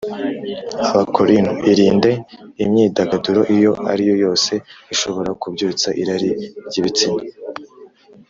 Abakorinto Irinde imyidagaduro iyo ari yo yose ishobora kubyutsa irari ry ibitsina